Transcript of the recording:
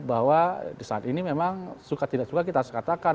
bahwa di saat ini memang suka tidak suka kita harus katakan